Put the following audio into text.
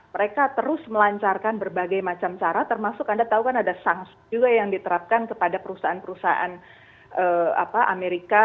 mereka terus melancarkan berbagai macam cara termasuk anda tahu kan ada sanksi juga yang diterapkan kepada perusahaan perusahaan amerika